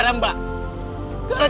gara gara mbak bapak meninggal